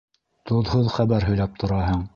—Тоҙһоҙ хәбәр һөйләп тораһың!